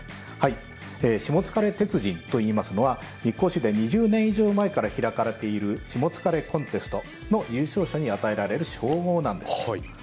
しもつかれ鉄人といいますのは日光市で２０年以上前から開かれているしもつかれコンテストの優勝者に与えられる称号なんです。